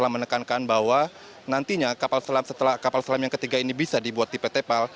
menekankan bahwa nantinya kapal selam yang ketiga ini bisa dibuat di pt pal